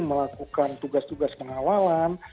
melakukan tugas tugas pengawalan